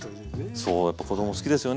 そうやっぱ子供好きですよね